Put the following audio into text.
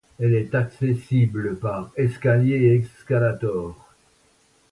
Elle est accessible par escaliers et escalators.